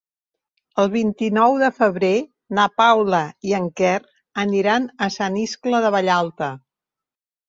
El vint-i-nou de febrer na Paula i en Quer aniran a Sant Iscle de Vallalta.